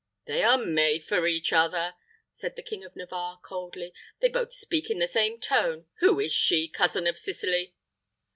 "They are made for each other," said the King of Navarre, coldly. "They both speak in the same tone. Who is she, cousin of Sicily?"